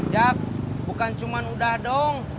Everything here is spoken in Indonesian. jak bukan cuma udah dong